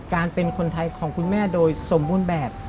เป็นคนไทยของคุณแม่โดยสมบูรณ์แบบ